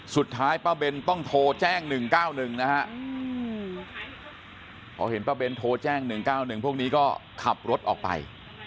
สุดท้ายป้าเบนต้องโทรแจ้ง๑๙๑นะฮะพอเห็นป้าเบนโทรแจ้ง๑๙๑พวกนี้ก็ขับรถออกไป